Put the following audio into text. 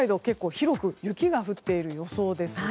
広く雪が降っている予想です。